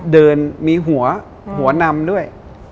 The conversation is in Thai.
เดินมีหัวหัวนำด้วย